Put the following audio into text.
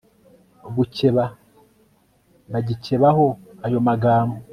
gukeba bagikebaho ayo magambo